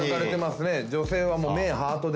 女性は目ハートですわ」